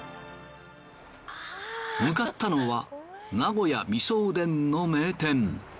向かったのは名古屋みそおでんの名店。